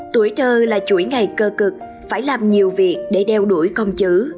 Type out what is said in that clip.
tuổi thơ là chuỗi ngày cơ cực phải làm nhiều việc để đeo đuổi con chữ